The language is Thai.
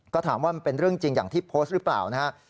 ก็ถามว่ามันเป็นเรื่องจริงอย่างที่โพสต์หรือเปล่านะครับ